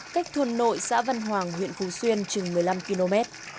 cách thôn nội xã văn hoàng huyện phú xuyên chừng một mươi năm km